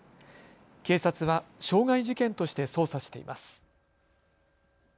警察は傷害事件として捜査しています。